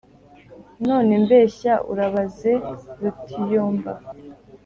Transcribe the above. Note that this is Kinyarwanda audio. none mbeshya urabaze Rutiyomba.